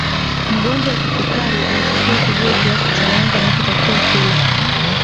Mgonjwa wa kisukari anatakiwa kujua kiasi cha wanga anachotakiwa kula